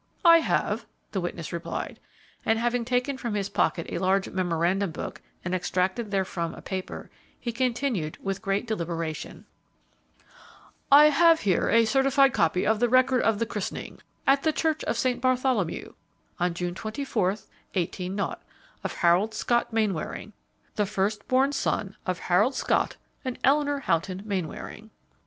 "I have," the witness replied, and having taken from his pocket a large memorandum book and extracted therefrom a paper, he continued, with great deliberation, "I have here a certified copy of the record of the christening, at the church of St. Bartholomew, on June 24, 18 , of Harold Scott Mainwaring, the first born son of Harold Scott and Eleanor Houghton Mainwaring."